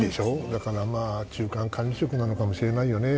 だから中間管理職なのかもしれないよね。